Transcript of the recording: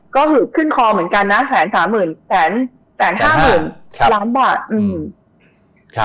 ก็คือขึ้นคอเหมือนกันนะแสนสามหมื่นแสนห้าหมื่นล้านบาท